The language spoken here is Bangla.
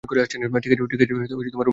ঠিক আছে, রুম খালি করে দাও।